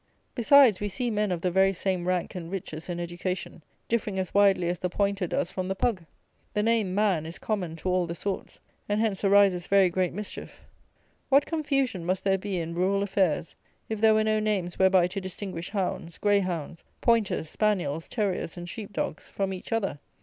Besides, we see men of the very same rank and riches and education, differing as widely as the pointer does from the pug. The name, man, is common to all the sorts, and hence arises very great mischief. What confusion must there be in rural affairs, if there were no names whereby to distinguish hounds, greyhounds, pointers, spaniels, terriers, and sheep dogs, from each other!